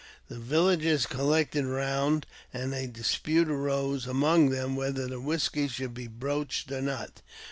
The villagers collected round, and a dispute arose among them whether the whisky should be broached or not.